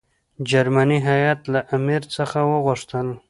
جرمني هیات له امیر څخه وغوښتل.